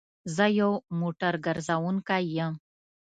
زه يو موټر ګرځونکی يم